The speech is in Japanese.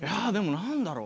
何だろう？